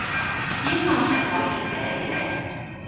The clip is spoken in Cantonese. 英文係可以寫嘅